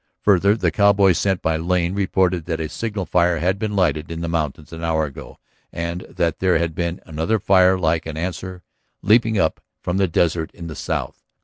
Further, the cowboy sent by Lane reported that a signal fire had been lighted in the mountains an hour ago and that there had been another fire like an answer leaping up from the desert in the south.